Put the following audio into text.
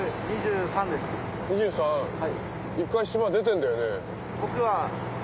２３一回島出てんだよね？